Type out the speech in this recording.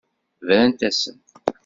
Brant-asen.